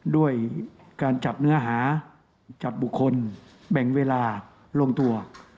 ด้วยการจับเนื้อหาจับบุคคลแบ่งเวลาลงตัว